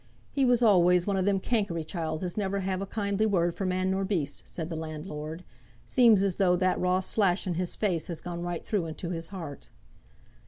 "He was always one of them cankery chiels as never have a kindly word for man nor beast," said the landlord. "Seems as though that raw slash in his face had gone right through into his heart."